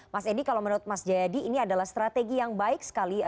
mas edi kalau menurut mas jayadi ini adalah strategi yang baik sekali